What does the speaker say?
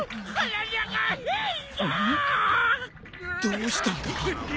どうしたんだ？